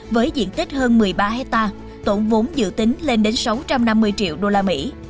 với diện tích hơn một mươi ba hectare tổn vốn dự tính lên đến sáu trăm năm mươi triệu đô la mỹ